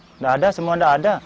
tidak ada semua tidak ada